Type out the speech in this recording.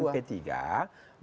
kemudian kemudian ke bandung